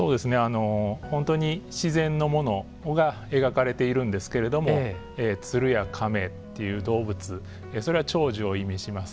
本当に自然のものが描かれているんですけれども鶴や亀という動物それは長寿を意味します。